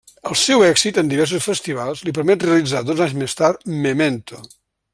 El seu èxit en diversos festivals, li permet realitzar, dos anys més tard, Memento.